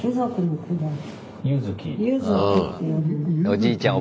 おじいちゃん